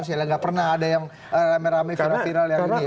ya nggak pernah ada yang rame rame viral viral yang ini